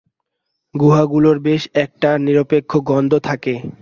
গুহাগুলোর বেশ একটা নিরপেক্ষ গন্ধ থাকে।